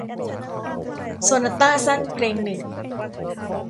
โซนาต้าสั้นเพลงหนึ่ง